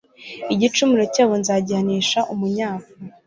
igicumuro cyabo nzagihanisha umunyafu